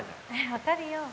分かるよ。